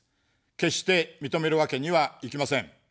決して認めるわけにはいきません。